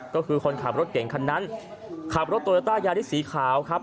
ก็คือคนขับรถเก่งคันนั้นขับรถโตโยต้ายาริสสีขาวครับ